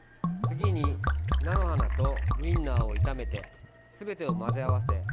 次に菜の花とウインナーを炒めてすべてを混ぜ合わせ